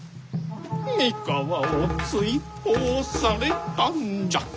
三河を追放されたんじゃ。